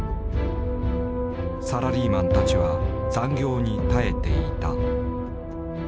サラリーマンたちは残業に耐えていた。